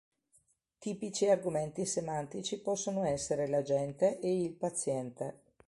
Tipici argomenti semantici possono essere l'agente e il paziente.